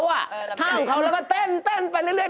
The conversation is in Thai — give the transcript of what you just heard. ห้างเขาแล้วก็เต้นไปเรื่อย